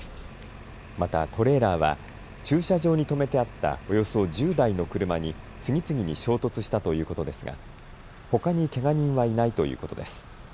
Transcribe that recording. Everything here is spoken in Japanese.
またトレーラーは駐車場に止めてあったおよそ１０台の車に次々に衝突したということですがほかにけが人はいないということです。